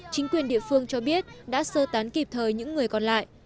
chính quyền địa phương cho biết đã sơ tán kịp thời những người còn lại